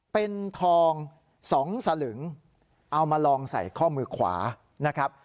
เป็นทอง๒สลึงเอามาลองใส่ข้อมือขวานะครับ